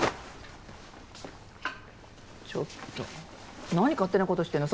ちょっと何勝手なことしてんの？